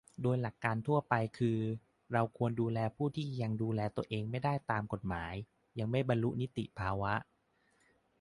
โดยหลักทั่วไปก็คือ เราควรดูแลผู้ที่ยังดูแลตัวเองไม่ได้ตามกฎหมาย ยังไม่บรรลุนิติภาวะ